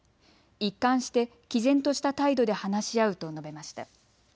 一貫してきぜんとした態度で話し合うと述べました。